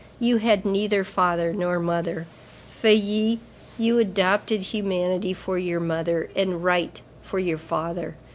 You had neither father nor mother, Feuilly; you adopted humanity for your mother and right for your father.